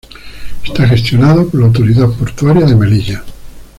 Está gestionado por la autoridad portuaria de Melilla.